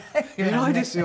偉いですよ